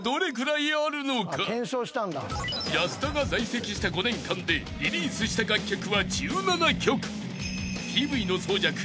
［保田が在籍した５年間でリリースした楽曲は１７曲］